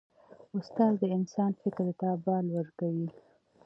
استاد د انسان فکر ته بال ورکوي.